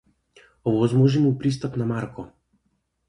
Овозможи му пристап на Марко!